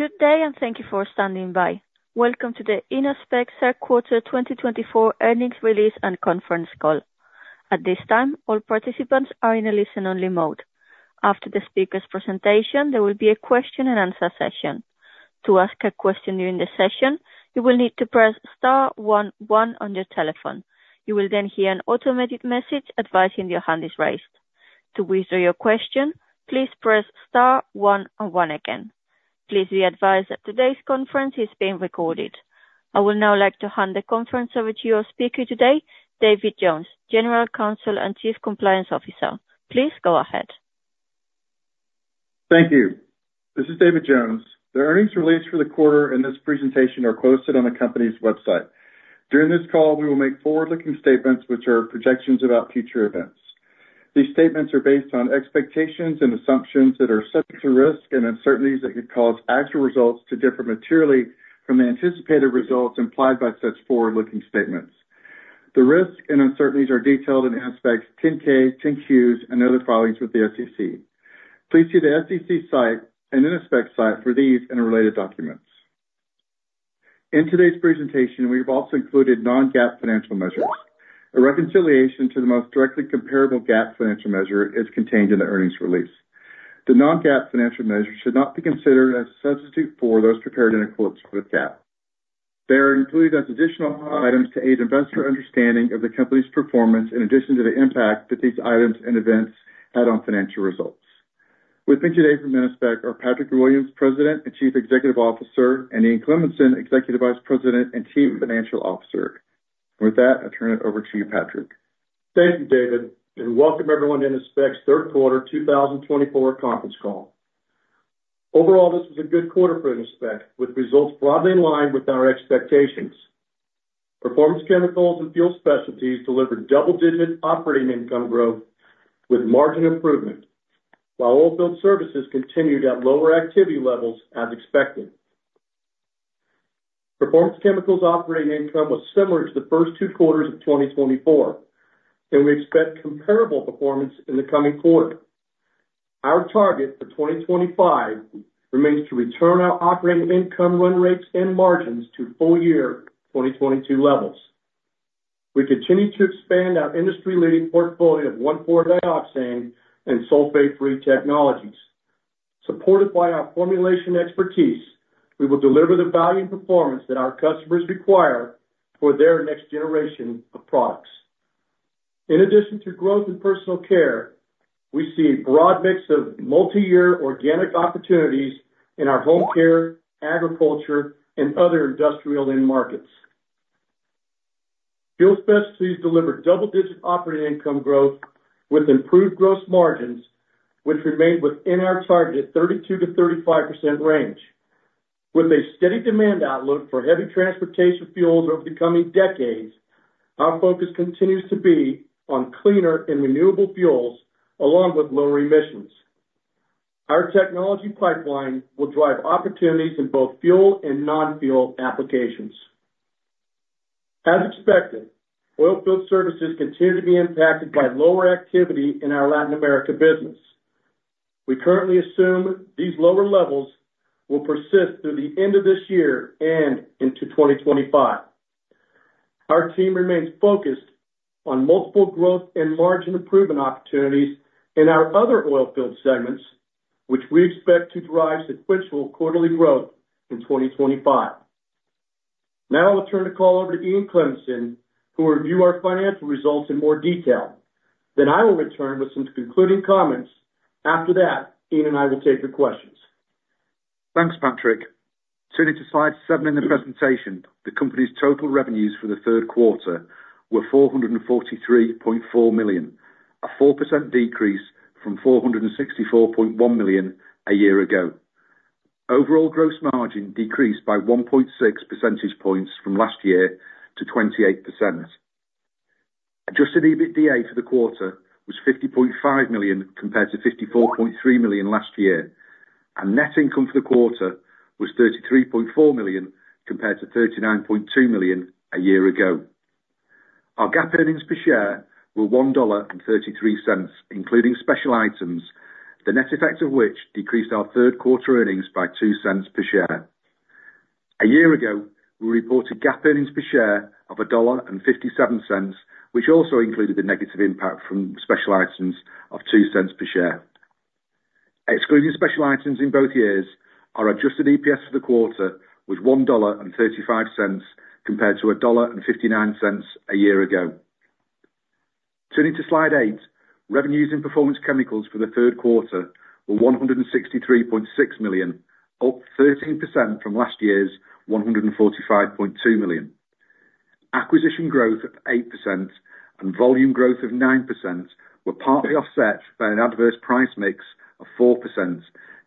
Good day, and thank you for standing by. Welcome to the Innospec's Fiscal 2024 Earnings Release and Conference Call. At this time, all participants are in a listen-only mode. After the speaker's presentation, there will be a question-and-answer session. To ask a question during the session, you will need to press star one one on your telephone. You will then hear an automated message advising your hand is raised. To withdraw your question, please press star one one again. Please be advised that today's conference is being recorded. I would now like to hand the conference over to your speaker today, David Jones, General Counsel and Chief Compliance Officer. Please go ahead. Thank you. This is David Jones. The earnings release for the quarter and this presentation are posted on the company's website. During this call, we will make forward-looking statements, which are projections about future events. These statements are based on expectations and assumptions that are subject to risk and uncertainties that could cause actual results to differ materially from the anticipated results implied by such forward-looking statements. The risks and uncertainties are detailed in Innospec 10-K, 10-Qs, and other filings with the SEC. Please see the SEC site and Innospec site for these and related documents. In today's presentation, we have also included non-GAAP financial measures. A reconciliation to the most directly comparable GAAP financial measure is contained in the earnings release. The non-GAAP financial measure should not be considered a substitute for those prepared in accordance with GAAP. They are included as additional items to aid investor understanding of the company's performance in addition to the impact that these items and events had on financial results. With me today from Innospec are Patrick Williams, President and Chief Executive Officer, and Ian Cleminson, Executive Vice President and Chief Financial Officer. With that, I turn it over to you, Patrick. Thank you, David, and welcome everyone to Innospec's Third Quarter 2024 Conference Call. Overall, this was a good quarter for Innospec with results broadly in line with our expectations. Performance Chemicals and Fuel Specialties delivered double-digit operating income growth with margin improvement, while Oilfield Services continued at lower activity levels as expected. Performance Chemicals' operating income was similar to the first two quarters of 2024, and we expect comparable performance in the coming quarter. Our target for 2025 remains to return our operating income run rates and margins to full-year 2022 levels. We continue to expand our industry-leading portfolio of 1,4-dioxane and sulfate-free technologies. Supported by our formulation expertise, we will deliver the value and performance that our customers require for their next generation of products. In addition to growth in personal care, we see a broad mix of multi-year organic opportunities in our home care, agriculture, and other industrial markets. Fuel Specialties delivered double-digit operating income growth with improved gross margins, which remained within our target 32%-35% range. With a steady demand outlook for heavy transportation fuels over the coming decades, our focus continues to be on cleaner and renewable fuels along with lower emissions. Our technology pipeline will drive opportunities in both fuel and non-fuel applications. As expected, Oilfield Services continue to be impacted by lower activity in our Latin America business. We currently assume these lower levels will persist through the end of this year and into 2025. Our team remains focused on multiple growth and margin improvement opportunities in our other oilfield segments, which we expect to drive sequential quarterly growth in 2025. Now, I'll turn the call over to Ian Cleminson, who will review our financial results in more detail. Then I will return with some concluding comments. After that, Ian and I will take your questions. Thanks, Patrick. Turning to slide seven in the presentation, the company's total revenues for the third quarter were $443.4 million, a 4% decrease from $464.1 million a year ago. Overall gross margin decreased by 1.6 percentage points from last year to 28%. Adjusted EBITDA for the quarter was $50.5 million compared to $54.3 million last year, and net income for the quarter was $33.4 million compared to $39.2 million a year ago. Our GAAP earnings per share were $1.33, including special items, the net effect of which decreased our third quarter earnings by $0.02 per share. A year ago, we reported GAAP earnings per share of $1.57, which also included the negative impact from special items of $0.02 per share. Excluding special items in both years, our adjusted EPS for the quarter was $1.35 compared to $1.59 a year ago. Turning to slide eight, revenues in Performance Chemicals for the third quarter were $163.6 million, up 13% from last year's $145.2 million. Acquisition growth of 8% and volume growth of 9% were partly offset by an adverse price mix of 4%,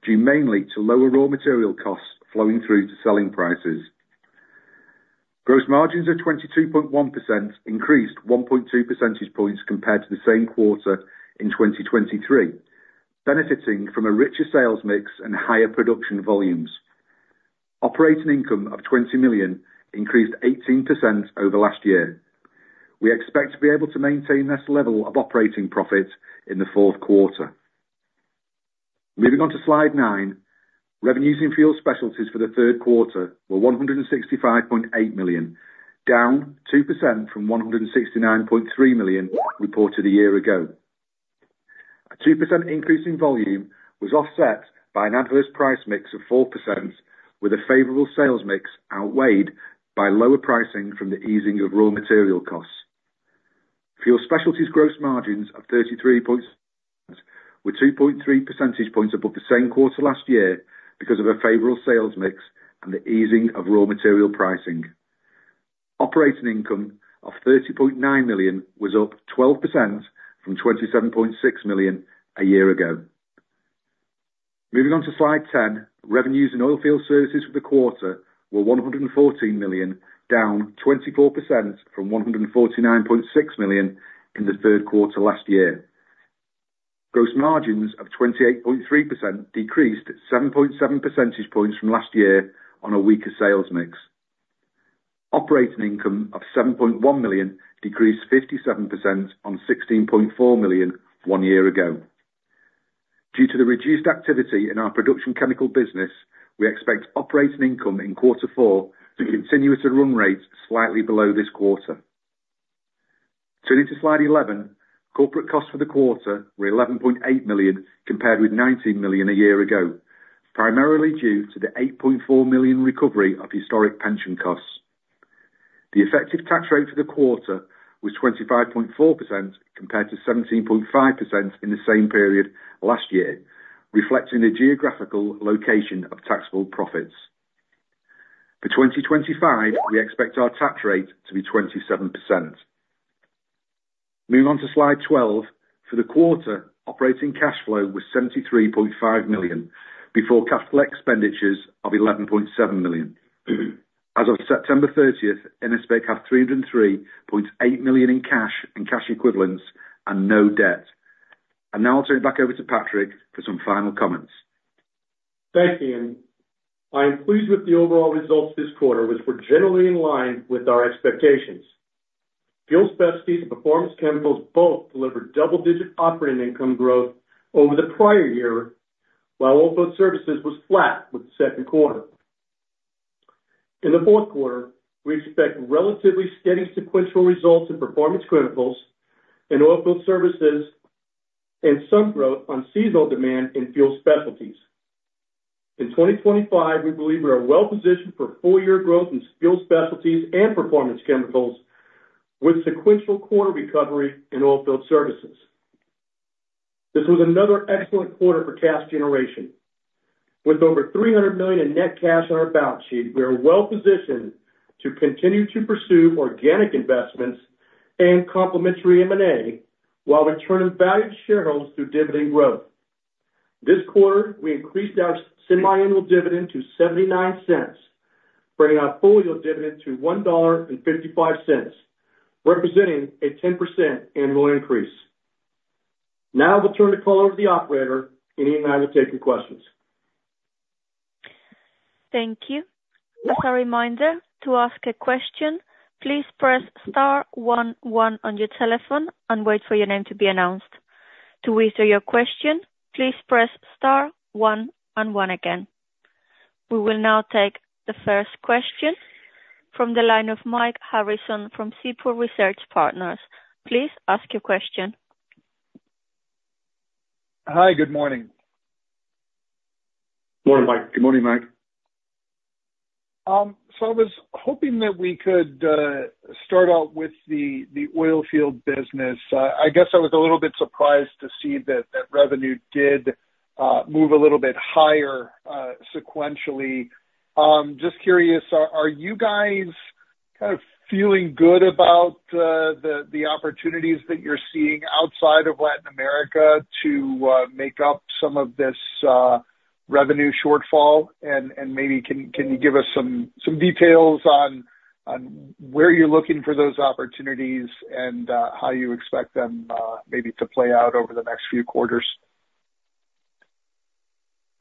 due mainly to lower raw material costs flowing through to selling prices. Gross margins of 22.1% increased 1.2 percentage points compared to the same quarter in 2023, benefiting from a richer sales mix and higher production volumes. Operating income of $20 million increased 18% over last year. We expect to be able to maintain this level of operating profit in the fourth quarter. Moving on to slide nine, revenues in Fuel Specialties for the third quarter were $165.8 million, down 2% from $169.3 million reported a year ago. A 2% increase in volume was offset by an adverse price mix of 4%, with a favorable sales mix outweighed by lower pricing from the easing of raw material costs. Fuel Specialties' gross margins of 33.6% were 2.3 percentage points above the same quarter last year because of a favorable sales mix and the easing of raw material pricing. Operating income of $30.9 million was up 12% from $27.6 million a year ago. Moving on to slide 10, revenues in Oilfield Services for the quarter were $114 million, down 24% from $149.6 million in the third quarter last year. Gross margins of 28.3% decreased 7.7 percentage points from last year on a weaker sales mix. Operating income of $7.1 million decreased 57% from $16.4 million one year ago. Due to the reduced activity in our production chemical business, we expect operating income in quarter four to continue to run rates slightly below this quarter. Turning to slide 11, corporate costs for the quarter were $11.8 million compared with $19 million a year ago, primarily due to the $8.4 million recovery of historic pension costs. The effective tax rate for the quarter was 25.4% compared to 17.5% in the same period last year, reflecting the geographical location of taxable profits. For 2025, we expect our tax rate to be 27%. Moving on to slide 12, for the quarter, operating cash flow was $73.5 million before capital expenditures of $11.7 million. As of September 30th, Innospec has $303.8 million in cash and cash equivalents and no debt. And now I'll turn it back over to Patrick for some final comments. Thank you, Ian. I am pleased with the overall results this quarter, which were generally in line with our expectations. Fuel Specialties and Performance Chemicals both delivered double-digit operating income growth over the prior year, while Oilfield Services was flat with the second quarter. In the fourth quarter, we expect relatively steady sequential results in Performance Chemicals and Oilfield Services and some growth on seasonal demand in Fuel Specialties. In 2025, we believe we are well positioned for full-year growth in Fuel Specialties and Performance Chemicals with sequential quarter recovery in Oilfield Services. This was another excellent quarter for cash generation. With over $300 million in net cash on our balance sheet, we are well positioned to continue to pursue organic investments and complementary M&A while returning value to shareholders through dividend growth. This quarter, we increased our semiannual dividend to $0.79, bringing our full-year dividend to $1.55, representing a 10% annual increase. Now I will turn the call over to the operator, and Ian and I will take your questions. Thank you. As a reminder, to ask a question, please press star one one on your telephone and wait for your name to be announced. To withdraw your question, please press star one one again. We will now take the first question from the line of Mike Harrison from Seaport Research Partners. Please ask your question. Hi, good morning. Good morning, Mike. I was hoping that we could start out with the oilfield business. I guess I was a little bit surprised to see that revenue did move a little bit higher sequentially. Just curious, are you guys kind of feeling good about the opportunities that you're seeing outside of Latin America to make up some of this revenue shortfall? And maybe can you give us some details on where you're looking for those opportunities and how you expect them maybe to play out over the next few quarters?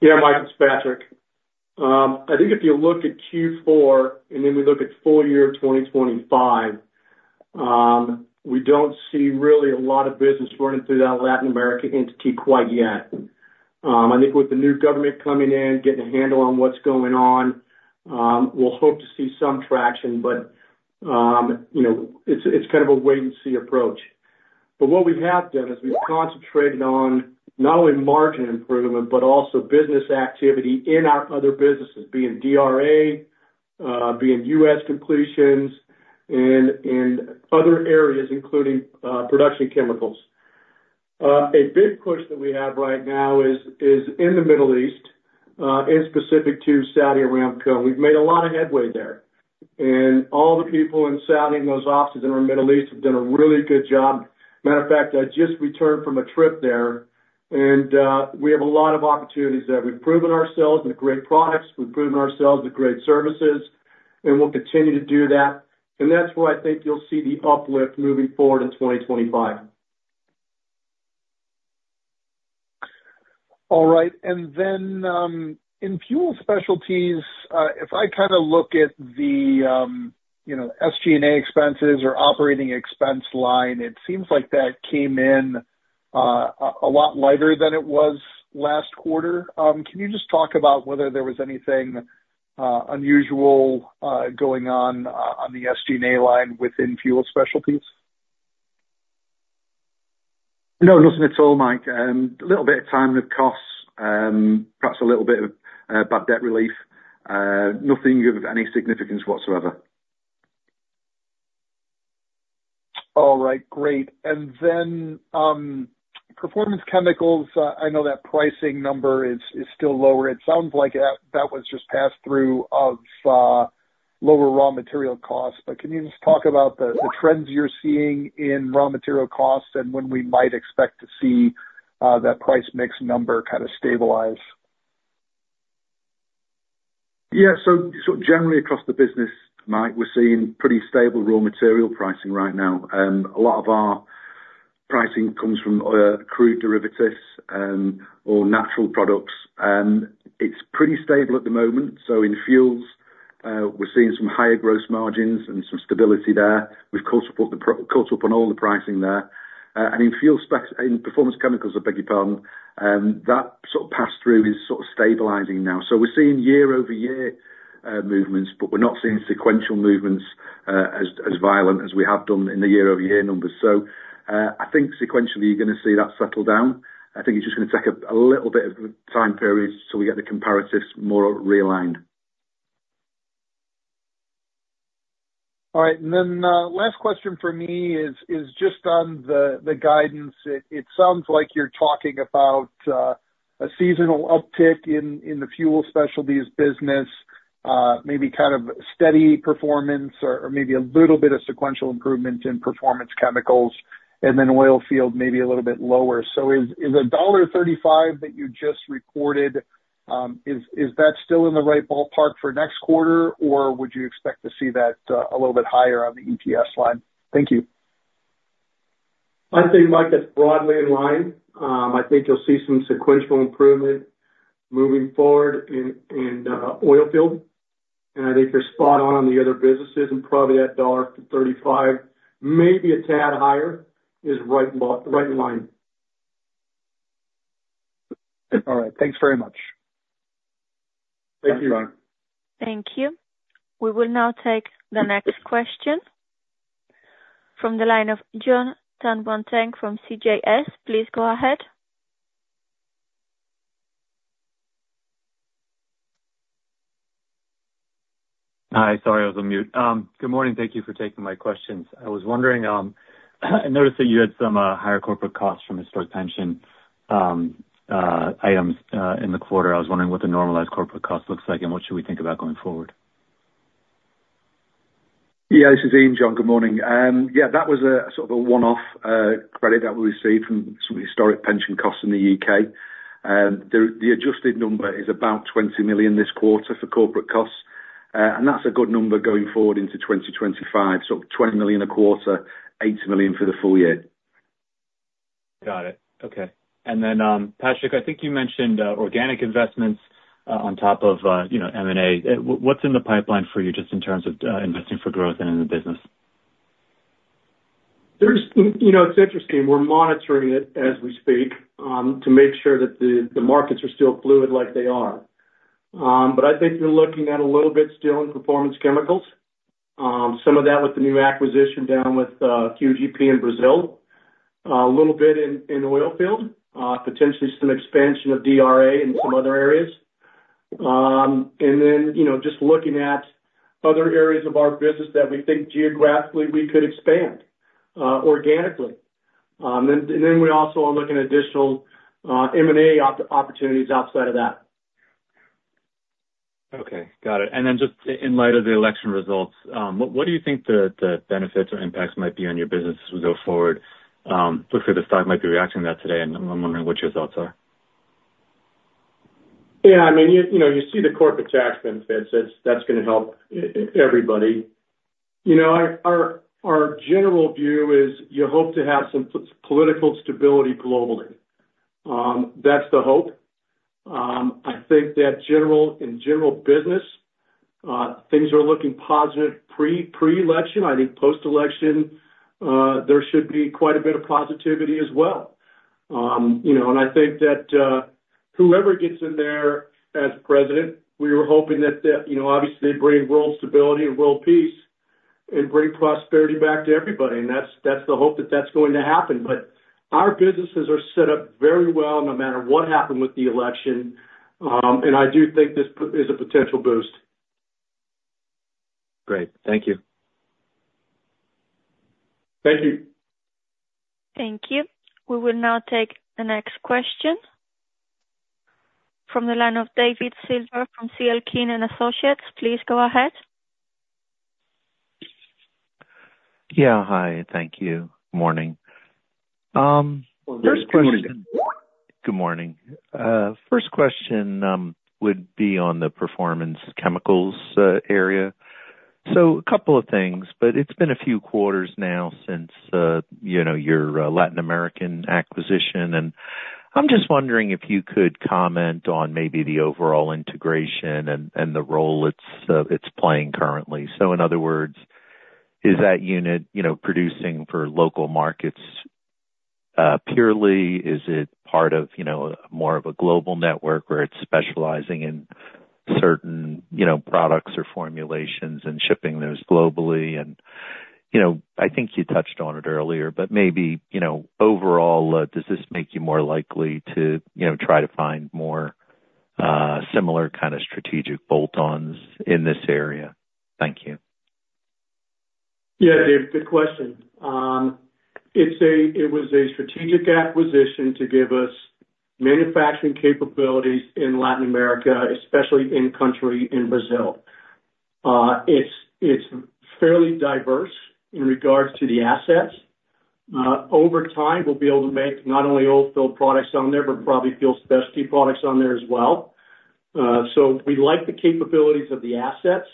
Yeah, Mike, it's Patrick. I think if you look at Q4 and then we look at full year 2025, we don't see really a lot of business running through that Latin American entity quite yet. I think with the new government coming in, getting a handle on what's going on, we'll hope to see some traction, but it's kind of a wait-and-see approach. But what we have done is we've concentrated on not only margin improvement, but also business activity in our other businesses, being DRA, being U.S. completions, and other areas including production chemicals. A big push that we have right now is in the Middle East, specific to Saudi Aramco. We've made a lot of headway there. And all the people in Saudi and those offices in our Middle East have done a really good job. Matter of fact, I just returned from a trip there, and we have a lot of opportunities there. We've proven ourselves with great products. We've proven ourselves with great services, and we'll continue to do that. And that's where I think you'll see the uplift moving forward in 2025. All right. And then in Fuel Specialties, if I kind of look at the SG&A expenses or operating expense line, it seems like that came in a lot lighter than it was last quarter. Can you just talk about whether there was anything unusual going on, on the SG&A line within Fuel Specialties? No, nothing at all, Mike. A little bit of time with costs, perhaps a little bit of bad debt relief. Nothing of any significance whatsoever. All right, great. And then Performance Chemicals, I know that pricing number is still lower. It sounds like that was just passed through of lower raw material costs. But can you just talk about the trends you're seeing in raw material costs and when we might expect to see that price mix number kind of stabilize? Yeah, so generally across the business, Mike, we're seeing pretty stable raw material pricing right now. A lot of our pricing comes from crude derivatives or natural products. It's pretty stable at the moment. So in fuels, we're seeing some higher gross margins and some stability there. We've caught up on all the pricing there. And in performance chemicals, I beg your pardon, that sort of pass-through is sort of stabilizing now. So we're seeing year-over-year movements, but we're not seeing sequential movements as violent as we have done in the year-over-year numbers. So I think sequentially you're going to see that settle down. I think it's just going to take a little bit of a time period until we get the comparatives more realigned. All right, and then last question for me is just on the guidance. It sounds like you're talking about a seasonal uptick in the Fuel Specialties business, maybe kind of steady performance or maybe a little bit of sequential improvement in Performance Chemicals, and then Oilfield Services maybe a little bit lower. So is $1.35 that you just reported, is that still in the right ballpark for next quarter, or would you expect to see that a little bit higher on the EPS line? Thank you. I think, Mike, that's broadly in line. I think you'll see some sequential improvement moving forward in oilfield. And I think you're spot on on the other businesses, and probably that $1.35, maybe a tad higher, is right in line. All right. Thanks very much. Thank you. Thank you. Thank you. We will now take the next question from the line of Jon Tanwanteng from CJS. Please go ahead. Hi, sorry, I was on mute. Good morning. Thank you for taking my questions. I was wondering, I noticed that you had some higher corporate costs from historic pension items in the quarter. I was wondering what the normalized corporate cost looks like and what should we think about going forward? Yeah, this is Ian, Jon, Good morning. Yeah, that was a sort of a one-off credit that we received from some historic pension costs in the U.K. The adjusted number is about $20 million this quarter for corporate costs. And that's a good number going forward into 2025, so $20 million a quarter, $80 million for the full year. Got it. Okay. And then, Patrick, I think you mentioned organic investments on top of M&A. What's in the pipeline for you just in terms of investing for growth and in the business? It's interesting. We're monitoring it as we speak to make sure that the markets are still fluid like they are. But I think we're looking at a little bit still in performance chemicals. Some of that with the new acquisition down with QGP in Brazil, a little bit in oilfield, potentially some expansion of DRA in some other areas. And then just looking at other areas of our business that we think geographically we could expand organically. And then we also are looking at additional M&A opportunities outside of that. Okay. Got it. And then just in light of the election results, what do you think the benefits or impacts might be on your business as we go forward? Looks like the stock might be reacting to that today, and I'm wondering what your thoughts are. Yeah, I mean, you see the corporate tax benefits. That's going to help everybody. Our general view is you hope to have some political stability globally. That's the hope. I think that in general business, things are looking positive pre-election. I think post-election, there should be quite a bit of positivity as well. And I think that whoever gets in there as president, we were hoping that obviously they bring world stability and world peace and bring prosperity back to everybody. And that's the hope that that's going to happen. But our businesses are set up very well no matter what happened with the election. And I do think this is a potential boost. Great. Thank you. Thank you. Thank you. We will now take the next question from the line of David Silver from C.L. King & Associates. Please go ahead. Yeah. Hi. Thank you. Good morning. Good morning. First question would be on the Performance Chemicals area. So a couple of things, but it's been a few quarters now since your Latin American acquisition, and I'm just wondering if you could comment on maybe the overall integration and the role it's playing currently. So in other words, is that unit producing for local markets purely? Is it part of more of a global network where it's specializing in certain products or formulations and shipping those globally? And I think you touched on it earlier, but maybe overall, does this make you more likely to try to find more similar kind of strategic bolt-ons in this area? Thank you. Yeah, David, good question. It was a strategic acquisition to give us manufacturing capabilities in Latin America, especially in country in Brazil. It's fairly diverse in regards to the assets. Over time, we'll be able to make not only oilfield products on there, but probably fuel specialty products on there as well. So we like the capabilities of the assets.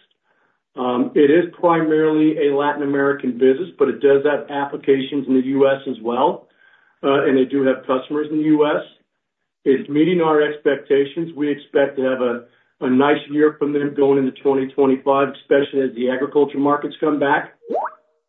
It is primarily a Latin American business, but it does have applications in the U.S. as well, and they do have customers in the U.S. It's meeting our expectations. We expect to have a nice year from them going into 2025, especially as the agriculture markets come back.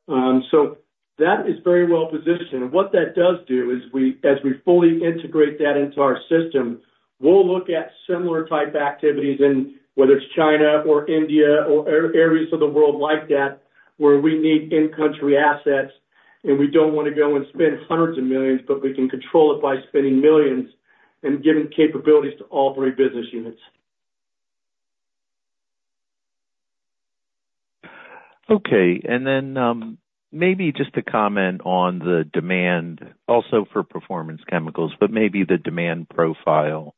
So that is very well positioned. What that does do is, as we fully integrate that into our system, we'll look at similar type activities in whether it's China or India or areas of the world like that where we need in-country assets. We don't want to go and spend hundreds of millions, but we can control it by spending millions and giving capabilities to all three business units. Okay. And then maybe just to comment on the demand also for Performance Chemicals, but maybe the demand profile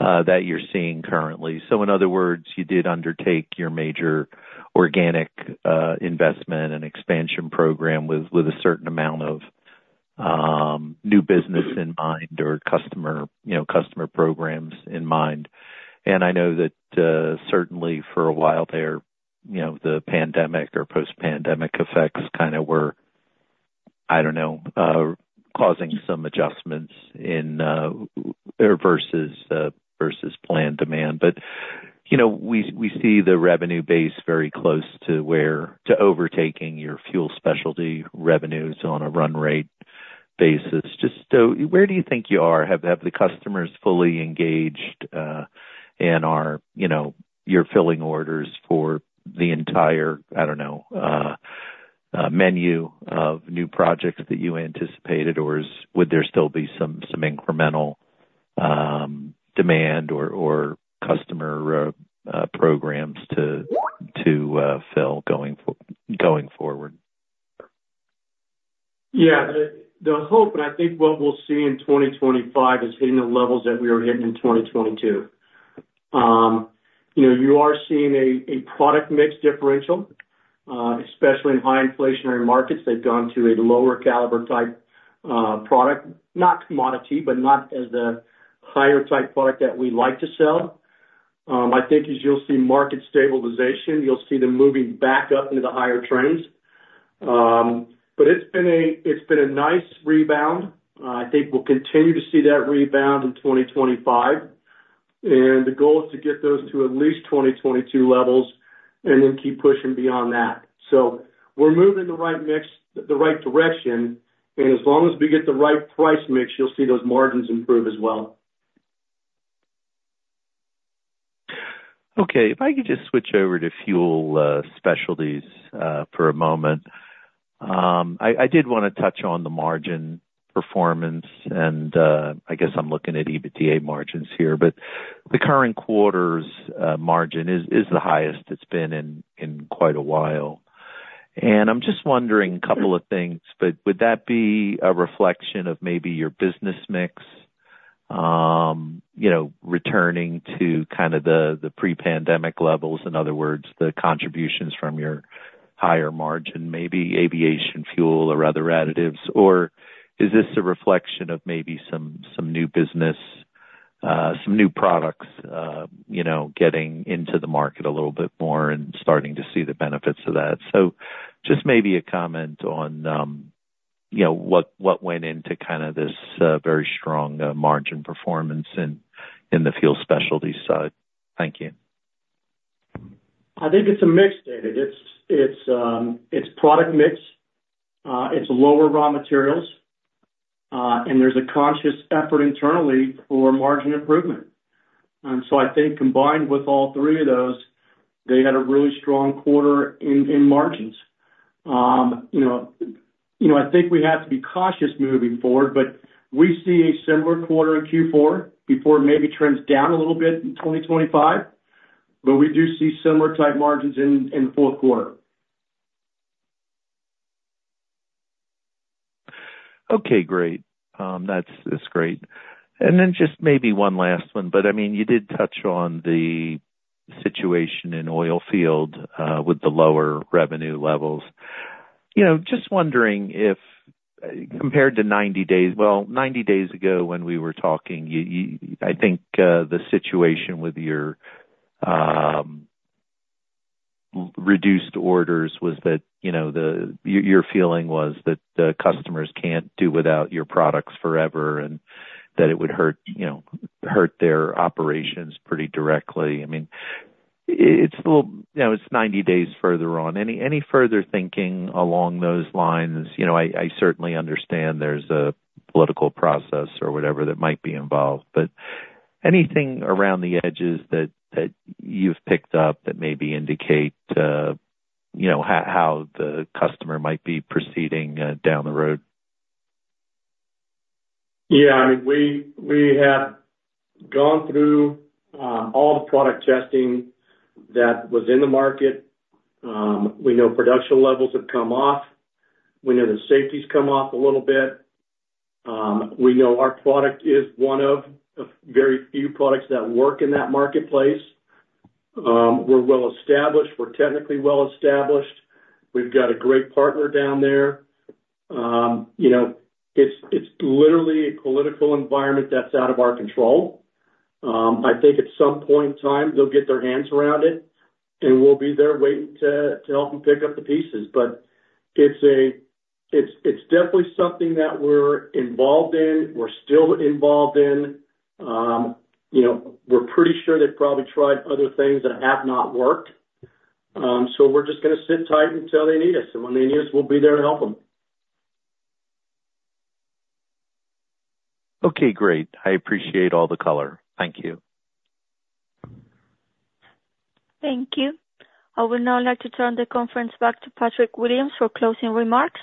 that you're seeing currently. So in other words, you did undertake your major organic investment and expansion program with a certain amount of new business in mind or customer programs in mind. And I know that certainly for a while there, the pandemic or post-pandemic effects kind of were, I don't know, causing some adjustments versus planned demand. But we see the revenue base very close to overtaking your Fuel Specialties revenues on a run rate basis. Just where do you think you are? Have the customers fully engaged in your filling orders for the entire, I don't know, menu of new projects that you anticipated, or would there still be some incremental demand or customer programs to fill going forward? Yeah. The hope, and I think what we'll see in 2025 is hitting the levels that we were hitting in 2022. You are seeing a product mix differential, especially in high inflationary markets. They've gone to a lower-caliber type product, not commodity, but not as a higher-type product that we like to sell. I think as you'll see market stabilization, you'll see them moving back up into the higher trends, but it's been a nice rebound. I think we'll continue to see that rebound in 2025, and the goal is to get those to at least 2022 levels and then keep pushing beyond that, so we're moving the right mix, the right direction, and as long as we get the right price mix, you'll see those margins improve as well. Okay. If I could just switch over to Fuel Specialties for a moment. I did want to touch on the margin performance, and I guess I'm looking at EBITDA margins here, but the current quarter's margin is the highest it's been in quite a while, and I'm just wondering a couple of things, but would that be a reflection of maybe your business mix returning to kind of the pre-pandemic levels? In other words, the contributions from your higher margin, maybe aviation fuel or other additives. Or is this a reflection of maybe some new business, some new products getting into the market a little bit more and starting to see the benefits of that? So just maybe a comment on what went into kind of this very strong margin performance in the Fuel Specialties side. Thank you. I think it's a mixed data. It's product mix. It's lower raw materials, and there's a conscious effort internally for margin improvement, and so I think combined with all three of those, they had a really strong quarter in margins. I think we have to be cautious moving forward, but we see a similar quarter in Q4 before it maybe trends down a little bit in 2025, but we do see similar type margins in the fourth quarter. Okay. Great. That's great. And then just maybe one last one. But I mean, you did touch on the situation in oilfield with the lower revenue levels. Just wondering if compared to 90 days well, 90 days ago when we were talking, I think the situation with your reduced orders was that your feeling was that customers can't do without your products forever and that it would hurt their operations pretty directly. I mean, it's 90 days further on. Any further thinking along those lines? I certainly understand there's a political process or whatever that might be involved. But anything around the edges that you've picked up that maybe indicate how the customer might be proceeding down the road? Yeah. I mean, we have gone through all the product testing that was in the market. We know production levels have come off. We know the safety's come off a little bit. We know our product is one of very few products that work in that marketplace. We're well-established. We're technically well-established. We've got a great partner down there. It's literally a political environment that's out of our control. I think at some point in time, they'll get their hands around it, and we'll be there waiting to help them pick up the pieces. But it's definitely something that we're involved in. We're still involved in. We're pretty sure they've probably tried other things that have not worked. So we're just going to sit tight until they need us. And when they need us, we'll be there to help them. Okay. Great. I appreciate all the color. Thank you. Thank you. I would now like to turn the conference back to Patrick Williams for closing remarks.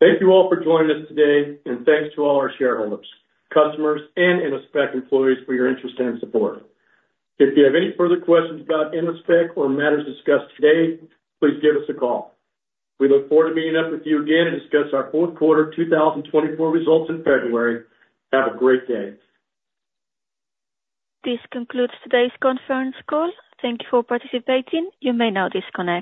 Thank you all for joining us today, and thanks to all our shareholders, customers, and Innospec employees for your interest and support. If you have any further questions about Innospec or matters discussed today, please give us a call. We look forward to meeting up with you again to discuss our fourth quarter 2024 results in February. Have a great day. This concludes today's conference call. Thank you for participating. You may now disconnect.